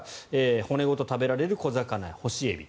骨ごと食べられる小魚や干しエビ。